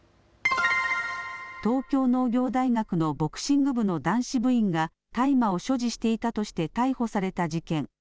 東京農業大学のボクシング部の男子部員が大麻を所持していたとして逮捕された事件。